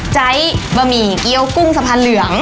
ใจบะหมี่เกี้ยวกุ้งสะพานเหลือง